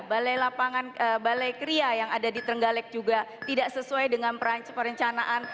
balai lapangan balai kria yang ada di trenggalek juga tidak sesuai dengan perencanaan